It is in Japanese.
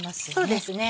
そうですね。